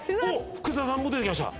福沢さん出てきました。